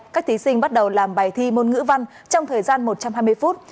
các thí sinh bắt đầu làm bài thi môn ngữ văn trong thời gian một trăm hai mươi phút